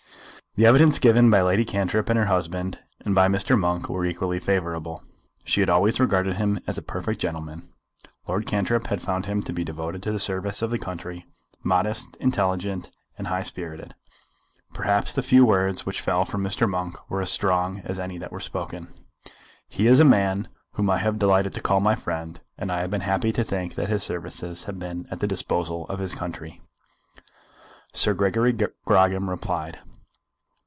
The evidence given by Lady Cantrip and her husband and by Mr. Monk was equally favourable. She had always regarded him as a perfect gentleman. Lord Cantrip had found him to be devoted to the service of the country, modest, intelligent, and high spirited. Perhaps the few words which fell from Mr. Monk were as strong as any that were spoken. "He is a man whom I have delighted to call my friend, and I have been happy to think that his services have been at the disposal of his country." Sir Gregory Grogram replied.